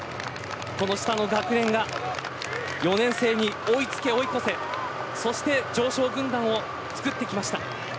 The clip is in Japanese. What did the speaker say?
この下の学年が４年生に追いつけ追い越せそして常勝軍団を作ってきました。